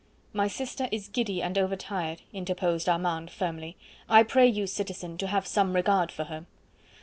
"My sister is giddy and over tired," interposed Armand firmly. "I pray you, citizen, to have some regard for her."